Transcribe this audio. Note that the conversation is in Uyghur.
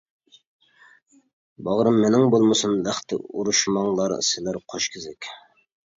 باغرىم مېنىڭ بولمىسۇن لەختە، ئۇرۇشماڭلار سىلەر قوش كېزەك.